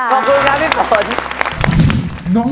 ขอบคุณค่ะพี่ฝน